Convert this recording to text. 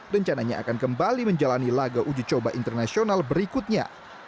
rencananya akan kembali menjalani laga uji coba internasional berikutnya